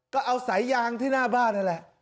ก็เอาสายยางที่หน้าบ้านนั่นแหละ